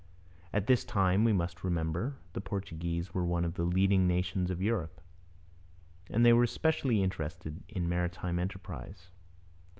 At this time, we must remember, the Portuguese were one of the leading nations of Europe, and they were specially interested in maritime enterprise.